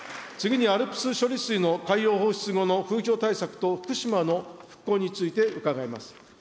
次にＡＬＰＳ処理水の海洋放出後の風評対策等福島の復興について伺います。